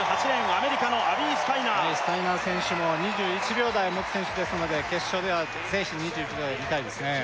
アメリカのアビー・スタイナースタイナー選手も２１秒台を持つ選手ですので決勝ではぜひ２１秒台見たいですね